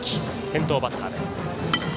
先頭バッターです。